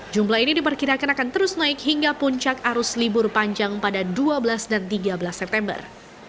jumlah ini diperkirakan akan terus naik hingga puncak arus libur panjang pada dua belas dan tiga belas september